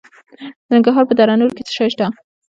د ننګرهار په دره نور کې څه شی شته؟